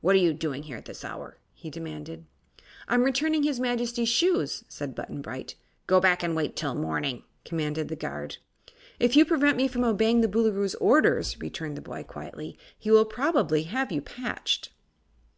"What are you doing here at this hour?" he demanded. "I'm returning his Majesty's shoes," said Button Bright. "Go back and wait till morning," commanded the guard. "If you prevent me from obeying the Boolooroo's orders," returned the boy, quietly, "he will probably have you patched."